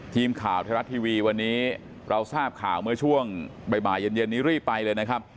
ทีมข่าวไทยรัฐทีวีวันนี้เราทราบข่าวเมื่อช่วงบ่ายเย็นนี้รีบไปเลยนะครับ